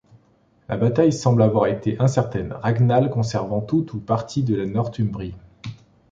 La bataille semble avoir été incertaine, Ragnall conservant tout ou partie de la Northumbrie.